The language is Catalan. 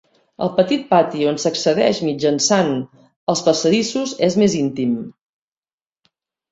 El petit pati on s'accedeix mitjançant els passadissos és més íntim.